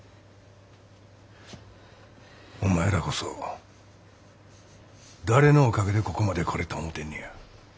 お前らこそ誰のおかげでここまで来れた思うてんねや。